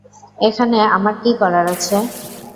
এখানে আমার কী করার আছে?